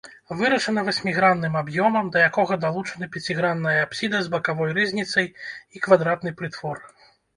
Вырашана васьмігранным аб'ёмам, да якога далучаны пяцігранная апсіда з бакавой рызніцай і квадратны прытвор.